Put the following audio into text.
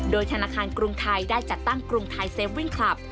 โดยธนาคารกรุงไทยได้จัดตั้งกรุงไทยเซฟวิ่งคลับ